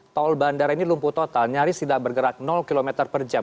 tol bandara ini lumpuh total nyaris tidak bergerak km per jam